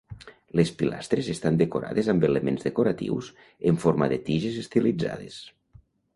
Les pilastres estan decorades amb elements decoratius en forma de tiges estilitzades.